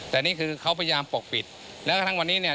แต่นี่คือเขาพยายามปกปิดแล้วกระทั่งวันนี้เนี่ย